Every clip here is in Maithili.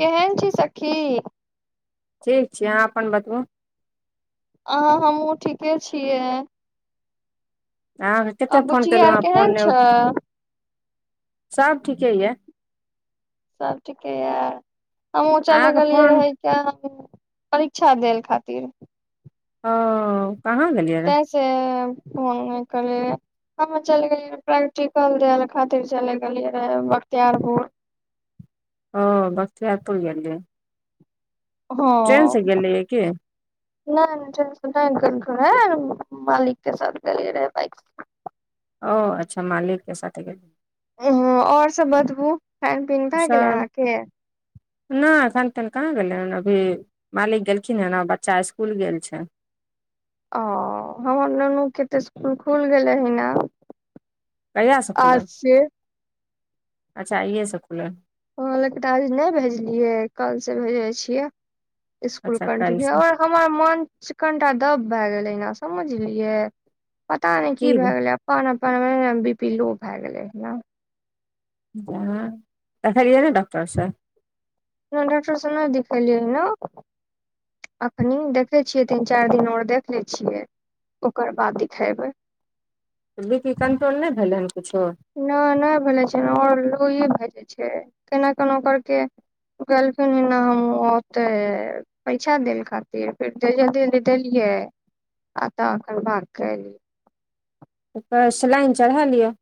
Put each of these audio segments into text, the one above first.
केहन छी सखी ठीक छी अहाँ अपन बतबू अ हमहुँ ठीके छियै अहाँके आ कते फोन बुच्ची केलहुँ आर अहाँ फोन केहन न छै उठ सब ठीके यऽ सब ठीके य हमहुँ चले अहाँके गेलियै फोन रहे कऽ परीक्षा देल खातिर हँ कहाँ गेलै तैस फोन निकल ह चल गेलिय प्रैक्टिकल दे ल खातिर चलि गेलियै रहे बख्तियारपुर ओ बखतियारपुर गेलिए गेलियै की हँ नय नय [inaudible] ह मालिक के साथ गिय रहै बइक ओ अच्छा मालिक के साथ गेल और सब बतबू खान पीन भए गेले अहाँके नय एखन तेन कहाँ गेलै हन अभी मालिक गेलखिन हन आ बच्चा इसकुल गेल छै ओ हमर नुनुके तऽ इसकुल खुइल गेलै हन ने कहियआ सँ आज खुलल से अच्छा इए से खुलल ह लेक तऽ आज नय भेजलियै कल से भेजे छियै इसकुल अच्छा काल्हि कंटिन्यू से ओर हमर मन कनिटा दब भए गेलै ने समझलियै पता नय की भए गेलै अपन अपन बी पी लो भए गेलै ह ने जा [inaudible] देखेलिए ने डॉकटर सँ डॉक्टर स नय दिखेलियै ह ने अखनि देखै छियै तीन चारि दिन आर देख ले छियै ओकर बाद दिखेबै बी पी कंट्रोल नय भेलै हन किछो नय नय भेलै छै ओर लो ई भेजे छै केना केना करके कहलखिन न हम ओते पैछा देल खातिर फेर ध धी देलियै आ तन भाग कलियै उपर स्लाइन चढ़ा लिअ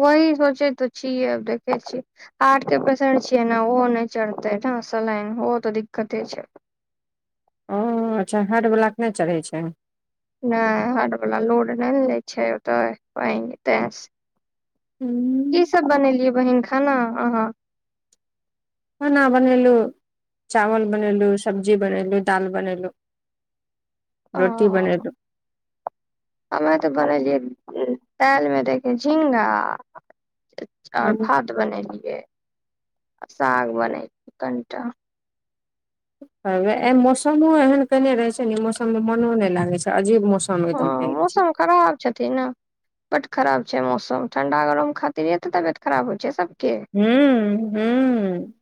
वही सोचे तऽ छिय देखे छिय हार्ट के पेसेन्ट छियै ने ओहो नय चढ़ते सलाइन ओहो तऽ दिक्कते छै ह अच्छा हार्ट बला के नय चढ़ै छै नय हाड वला लोड नय ने लै छै ओते पे हूँ ई सब बनेलियै बहिन खाना अहाँ खाना बनेलु चावल बनेलु सब्जी बनेलु दाइल बनेलु ओ रोटी बनेलु हमे तऽ बनेलियै ताल मे दे के झिगा ओर हूँ भात बनेलियै साग बनेलिय कनिटा मौसमो एहन केने रहे छै ने मौसम मे मनो नय लागे छै अजीब मौसम हँ एकदम केने छै मौसम खराब छथिन न बड खराब छै मौसम ठण्डा गरम खातिरे तऽ तबियत खराब होइ छै सब हू हूँ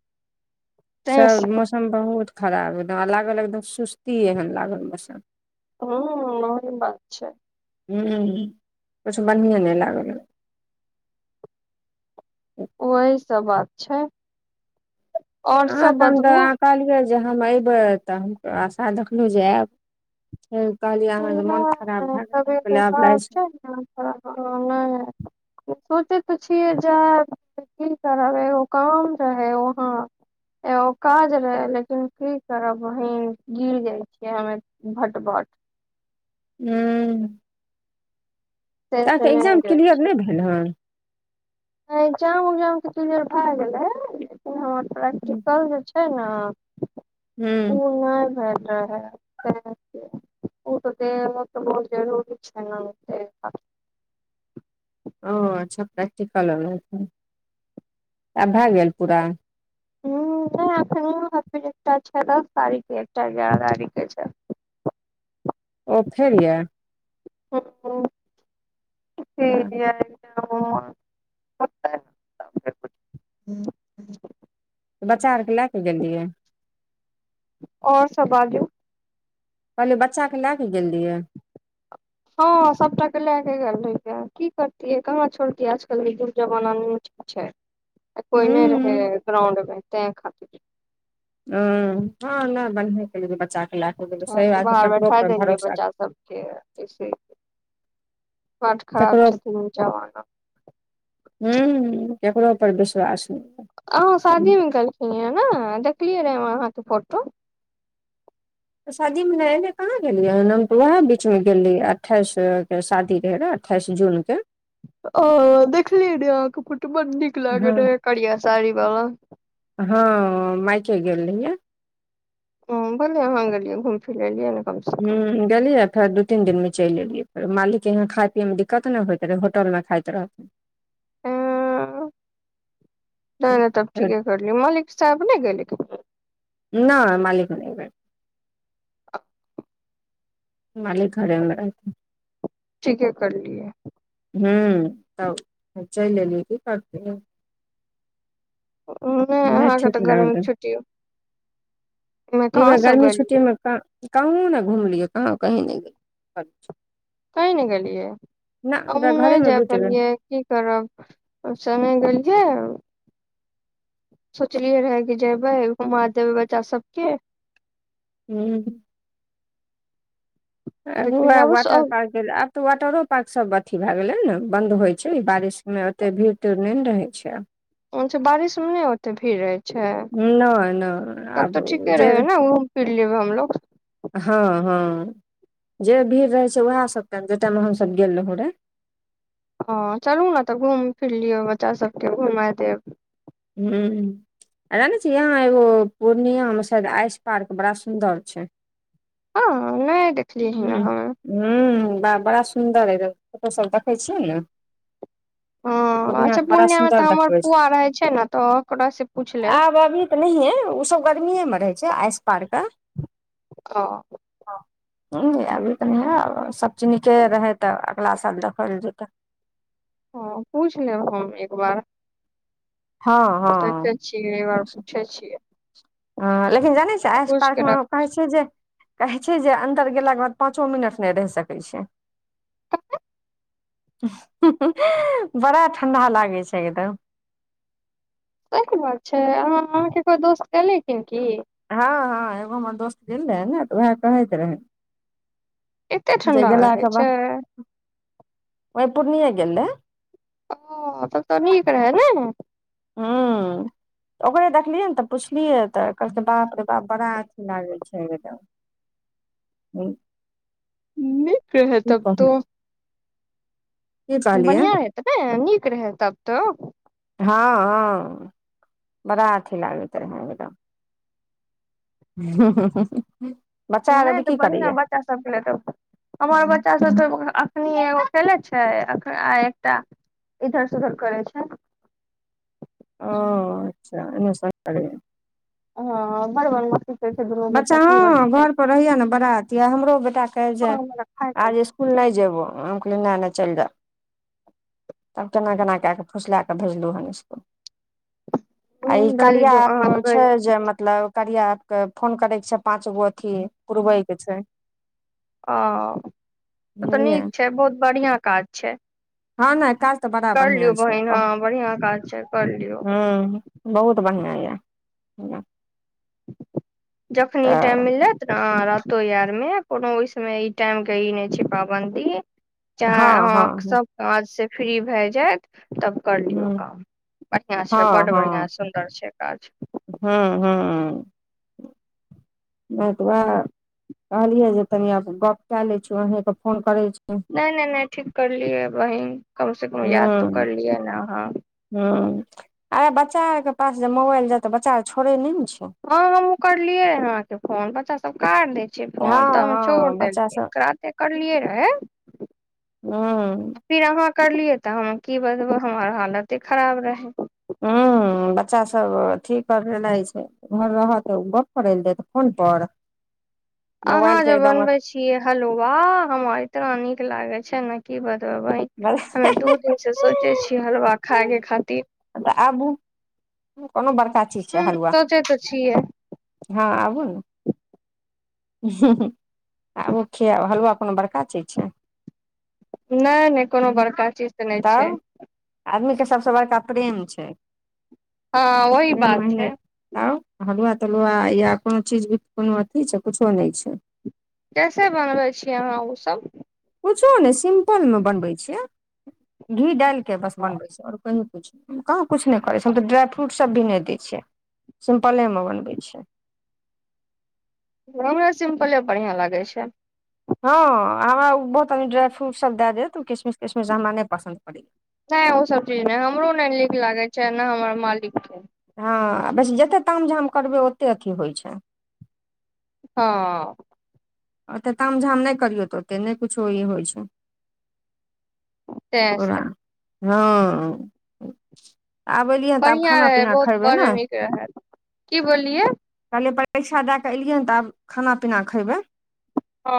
तैं सब से मस मौसम बहुत खराब एकदम लागल एकदम सुस्ती एन लागल मौसम हूँ ओहन बात छय ह [unintelligible] किछु बढ़िएँ नय लागल ओही सब बात छै और अहाँ सब तऽ हम त बतबू अह कहलियै जे हम अयबै तऽ हम आशा देखलहुँ जे आयब हूँ कहलियै अहाँके मोन खराब नहि भए गेएल आब लए छै हँ हँ नै सोचै त छिय जाब की करब एगो काम रहै वहाँ एगो काज रहै लेकिन की करब वही गिर जाइ छियै हमे भट भट हूँ से तँ से त नहि एग्जाम जाइ क्लियर नै भेल हँ इ्जाम उगजाम के चीजर भए गेलै लेकिन हमर हूँ प्रैक्टिकल जे छै ने [unintelligible] हूँ ऊ नै भेल रहै ओ तऽ दे तऽ बहुत जरुररी छै ने [unintelligible] ओ अच्छा प्रैक्टिकल [unintelligible] आब भए गेल पूरा ऊँ नै एखन एकटा छै दस तारीख एकटा एगारह तारीख के छै, ओ फेर यायऽ वाह [unintelligible] ओतय सबके कुछ। बच्चा आरके ल कऽ गेल रहियैय आओर सब बाजू कहलियै बच्चा के लए क गेल रहियाय हँ सबटा के लए के गेल रहियाय की करतियै कहाँ छोड़तिये आजकल के जुग जमाना मे अच्छा त कोई नै रहै हूँ ग्राउंड मे तैं खातिर उ हँ नय बनिया केलियै कि बच्चा के लए क हम सब बाहर बैठा देलियै बच्चा सब [unintelligible] बढ खराब ककरो छथिन ओ जमाना हूँ केकरो पर विश्वास नै अहाँ शादी मे कलखिन नाय देखलियै रहए अहाँके फोटो शादीमे नै ऐ बेर कहाँ भेलियै नं ट ओएह बीचमे गेल रहियै अठाइस के शादी रहै ने अठाइस जून के, ओ देखलियै रहेए अहाँ के पूटो बड़ नीक लागैे हँ रहए करिया साड़ी वाला हँ मायके गेल रहियै हूँ भने अहाँ गेलियै घुमि फिर लेलियै ने कम से कम हूँ गेलियै फेर दू तीन दिन मे चैल एलियैे मालिक के यहाँ खाय पियए मे दिक्कत नै होइत रहै होटल मे खाइत रहथीन [inaudible] [unintelligible] रहथिन मलिक साहब नै गेलै नय मालिक नै ऐबेर [inaudible] मालिक घरे मे रहै ठीके करलियै हू तब चलि एलियै की करतै नै नहि अहाँके ठीक तऽ गरमी लगलै छुट्टीयो ई बेर सब गर्मी छुट्टी गेलियै मे त कहूँ न घुमलियै कहूँ कही नै गेलि तैं नै गेलियै नहि हमहुँ नै घरेमे जाय बीत गेल पलियै की करब समय गेलियाय सोचलियै रहेए कि जेबै घुमा देबै बच्चा सबके हूँ लेकिन अगुआ अबस वाटर पार्क आब तऽ वाटरो पार्क सब अथी भए गेलै ने बन्द होइ छै बारिशमे ओते भीड़ तीड़ नै ने रहै छै अछ बारिश मे नै ओते भीड़ रहै अच्छा नहि नहि तब आब तऽ ठीके जे रहे ने घूम फिर लेबै हमलोग। हँ हँ जे भीड़ रहै छै ओएह सभटा जाहि टाइमे हमसब गेल रहौ रऽ हैं चलु ने तऽ घूम फिर लिअ बच्चा सभके घुमा देब हू। जानै छी यहाँ एगो पूर्णियामे शायद आइस पार्क बड़ा सुन्दर छै। हँ नहि देखली हँ हू बड़ा सुन्दर अ र फोटो सभ देखैत छियै ने ह अच्छा के बड़ा पूर्णिया मे सुन्दर तऽ हमर देखबै छै पुआ रहै छै ने तऽ ओकरा से। पूछि लेब आब अभी तऽ नहिए ओसभ गर्मिएमे रहै छै आस पारके। ओ अभी तऽ नहि सभ चीज नीके रहै तऽ अगला साल देखल जेतै हा पूछ लेब हम एक बार हँ देख छिय बार पुछै छियै। ह लेकिन जानै छैय आस पूछ पार्क के मे रख कहै छै जे कहै छै जे अन्दर गेलाके बाद पाँचो मिनट नहि रहि सकैत छै। बड़ा ठंडा लागे छै एकदम। सहि कि बात छै अह अहाँकेँ को दोस्त कलखिन की हँ हँ एगो हमर दोस्त गेल रहै ने तऽ उएह कहैत रहै। एते जे ठंडा रहै छै ओह पूर्णिया गेल रहे। ओ तऽ निक रहै ने हू ओकरे देखलियै ने तऽ पुछलियै तऽ कहल बाप रे बाप बड़ा अथी लागै छै [inaudible] ह नीक रहै तब तो। की कहलियै बढ़िया रहै तबे नीक रहै तब तऽ ह ह बड़ा अथी लागैत रहै एकदम हु हा नहि तऽ बढ़िआ बच्चा सभके ले तऽ हमर बच्चा सभ तऽ एखनि एगो खेले छैय आ एकटा इधर सुधर करै छैय। ओ अच्छा एनामे सँ हा बर बदमाशी बच्चा हा घरपर रहहियए ने बड़ा अथि हमरो बेटा कहै जे आज स्कूल स्कूल नहि जेबो हम कहलिए नै नै चल जा तब केना केना कए कऽ फुसलाए कऽ भेजलहुँ हन स्कूल आई कार्या एप छैय जे मतलब कर्या एप के। फोन करैके छैय पाँचगो अथी पुरबैके छै ओ तऽ बुझलियै नीक छैय बहुत बढ़िआ काज छैय हा नहि काज तऽ बड़ा बढ़िआ छैय बहिन हँ बढ़िया काज छै कर लियौ ह बहुत बढ़िआ यए जखनी ई टाइम तऽ मिले रातो आर मे कोनो ओहि समय ई टाइम के ई नहि छैय पाबन्दी चाहे हँ हँ अह हूँ सभ काज से फ्री भए जायत तब कर लियौ काम बढ़िआ छैय बड बढ़िआ सुन्दर छैय काज हु हु नहि ओतबा कहलियै जे कनिया गप कऽ ले छीय अहेके फोन करे छी नहि नहि नहि ठीक करलियै बेहिन कम से कम याद तो हूँ करलियै ने अहा हूँ अरे बच्चा आर के पास जे मोबाइल जा तऽ बच्चा आर छोड़ै नहि ने छैय हा हमुँ करलियैह अहाके फोन बच्चा सभ कात दे छै फोन हँ तब छोड़ हँ बच्चा देलियै सब राते करलियै रहे। हू फिर अहाँ करलियै तऽ हम कि बतबै हमर हालते खराब रहै। हूँ बच्चा सभ अथी करल रहै छैय घर रहत त गप करय लए दे तऽ फोन पर [inaudible] मोबाइल अहाँ के जे एकदम बनवे छिये हलुवा हमर इतना नीक लागे छैय ने कि बतबे बहिन तऽ हमे दू दिन से सोचे छियै हलुवा खाय के खातिर तऽ आबू कोनो बड़का चीज छैय ह हलुआ। सोचे तऽ छियै हा आबू नहि हु आबू खियाब हलुआ कोनो बड़का चीज छैय नहि नहि कोनो बड़का चीज तऽ नहि छैय। तब आदमी के सभसँ बड़का प्रेम छैय हँ वही ई बात महीने छै आओ हलुआ तलुआ या कोनो चीज भी कोनो अथी छैय किुछो नहि छैय कैसे बनबै छियै अहाँ उ सभ कुछो नहि सिम्पलमे बनबै छियै घी डालिके बस बनबै छै ओर कह कहाँ किछु नहि करै छैय हम तऽ ड्राइफ्रूट सभ भी नहि दैय छियै सिम्पलेमे बनबै छैय हमरा सिम्पले बढ़िआ लागै छैय हा हमरा ओ बहुतनि ड्राइ फ्रूट सभ दए देतऽ ओ किशमिश तिशमिश हमरा नहि पसन्द पड़ैए नहि ओसभ चीज नहि हमरो नहि नीक लागैत छैय नहि हमर मालिक के हा बस जतेक ताम झाम करबै ओतेक अथी होइत छैय हा ओते ताम झाम नहि करियौ तऽ ओते नहि कुछो ई होई छै, तें ओरा से ह आब एलियै तऽ आब बढ़िया खाना रहे पीना बहुत खयबै बड़ न नीक रहे की बोललियै कहलियै परीक्षा दए कऽ एलियै ने तऽ आब खाना पीना खयबै हा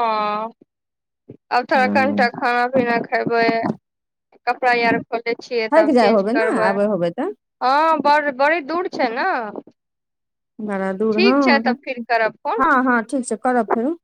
आब थोड़ा हूँ कनिटा खाना पीना खयबै कपड़ा आर खोलै छियै थाकि तब जाइ चेज होबै ने करबै आबै होबै तऽ हा बड़ बड़ी दूर छैय नहि बड़ा दूर तब फिर करब फोन हाँ हाँ ठीक छैय करब फेरो